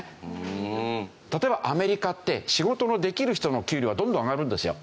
例えばアメリカって仕事のできる人の給料はどんどん上がるんですよ。